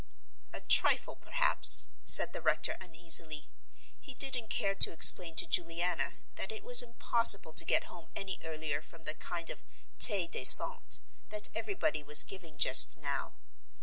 "A trifle perhaps," said the rector uneasily. He didn't care to explain to Juliana that it was impossible to get home any earlier from the kind of the dansant that everybody was giving just now.